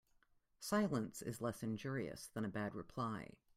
Silence is less injurious than a bad reply.